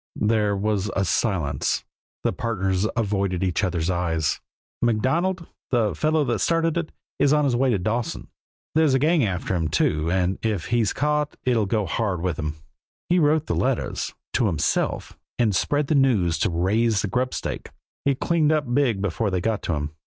There was a silence; the partners avoided each other's eyes. "MacDonald, the fellow that started it, is on his way to Dawson. There's a gang after him, too, and if he's caught it'll go hard with him. He wrote the letters to himself and spread the news just to raise a grubstake. He cleaned up big before they got onto him.